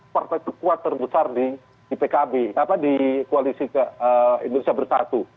partai kekuatan terbesar di pkb di koalisi indonesia bersatu